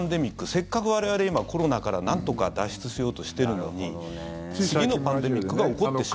せっかく我々、今、コロナからなんとか脱出しようとしてるのに次のパンデミックが起こってしまう。